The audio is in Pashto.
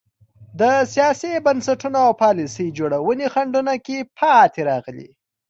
د سیاسي بنسټونو او پالیسۍ جوړونې خنډونو کې پاتې راغلي.